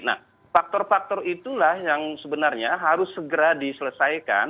nah faktor faktor itulah yang sebenarnya harus segera diselesaikan